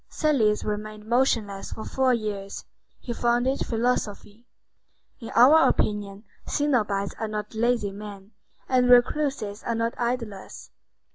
Thales remained motionless for four years. He founded philosophy. In our opinion, cenobites are not lazy men, and recluses are not idlers.